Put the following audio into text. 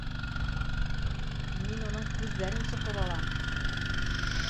Мин уның күҙҙәрен соҡоп алам!